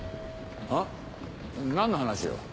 あ？何の話よ？